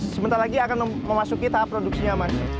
sebentar lagi akan memasuki tahap produksinya mas